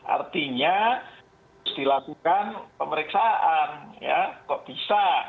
artinya harus dilakukan pemeriksaan ya kok bisa